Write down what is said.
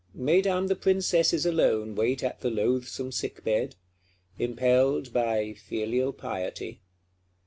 Mesdames the Princesses alone wait at the loathsome sick bed; impelled by filial piety.